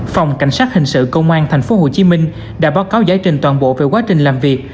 phòng cảnh sát hình sự công an tp hcm đã báo cáo giải trình toàn bộ về quá trình làm việc